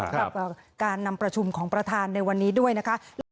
กับการนำประชุมของประธานในวันนี้ด้วยนะคะ